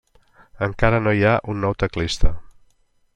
Encara no hi ha un nou teclista.